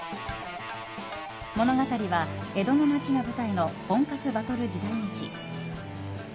物語は江戸の街が舞台の本格バトル時代劇。